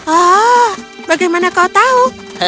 oh bagaimana kau tahu